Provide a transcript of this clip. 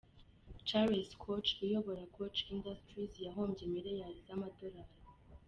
Charles Koch, uyobora Koch Industries, yahombye miliyari z’amadolari.